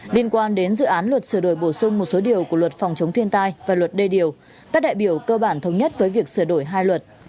liên quan đến dự án luật sửa đổi bổ sung một số điều của luật phòng chống thiên tai và luật đê điều các đại biểu cơ bản thống nhất với việc sửa đổi hai luật